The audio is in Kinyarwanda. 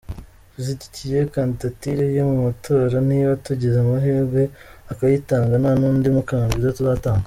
Dushyigikiye kandidature ye mu matora, niba tugize amahirwe akayitanga nta n’undi mukandida tuzatanga.